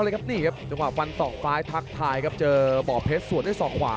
ตาอันเนี้ยครับจังหวากพันสองฟ้ายพักทายครับเจอป่อเพชรส่วนด้วยสองขวา